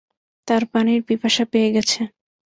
তার পানির পিপাসা পেয়ে গেছে।